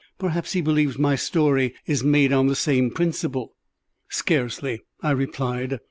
"Perhaps he believes my story is made on the same principle." "Scarcely," I replied.